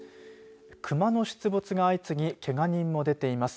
クマの出没が相次ぎけが人も出ています。